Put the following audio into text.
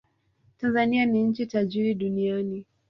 Tanzania ni nchi tajiri duniani